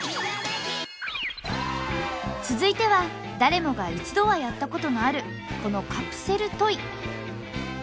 続いては誰もが一度はやったことのあるこのカプセルトイ。